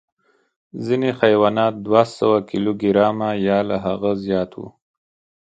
ځینې حیوانات دوه سوه کیلو ګرامه یا له هغه زیات وو.